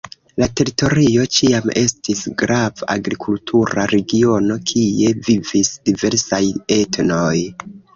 La teritorio ĉiam estis grava agrikultura regiono, kie vivis diversaj etnoj.